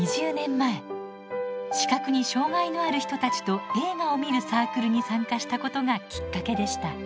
視覚に障がいのある人たちと映画を観るサークルに参加したことがきっかけでした。